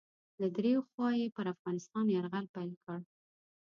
له دریو خواوو یې پر افغانستان یرغل پیل کړ.